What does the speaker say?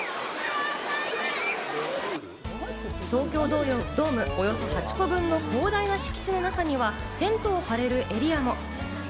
東京ドームおよそ８個分の広大な敷地の中にはテントを張れるエリアも。